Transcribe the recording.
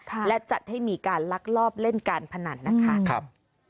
และจัดให้มีการลักลอบเล่นการพนันนะคะครับ